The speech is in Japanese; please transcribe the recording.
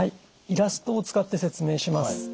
イラストを使って説明します。